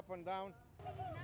ai cũng đi bộ rất vui vẻ